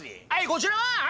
こちらは。